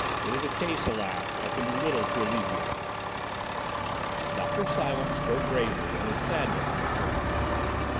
It is a case, alas! I can do little to alleviate." Dr. Silence spoke gravely and with sadness in his voice.